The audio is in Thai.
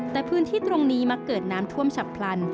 แต่พื้นที่ตรงนี้มักเกิดน้ำท่วมฉับพลัน